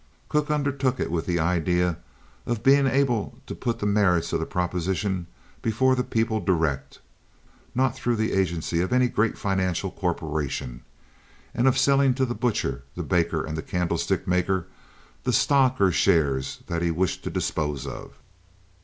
Cooke undertook it with the idea of being able to put the merits of the proposition before the people direct—not through the agency of any great financial corporation—and of selling to the butcher, the baker, and the candlestick maker the stock or shares that he wished to dispose of.